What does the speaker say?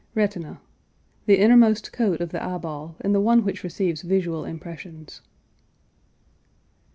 RETINA. The innermost coat of the eye ball and the one which receives visual impressions.